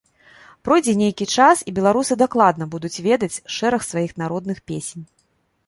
Пройдзе нейкі час, і беларусы дакладна будуць ведаць шэраг сваіх народных песень.